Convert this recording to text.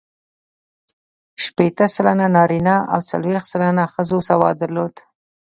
شپېته سلنه نارینه او څلوېښت سلنه ښځو سواد درلود.